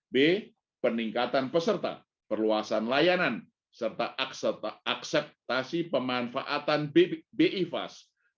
b peningkatan peserta perluasan layanan serta akseptasi pemanfaatan bi fast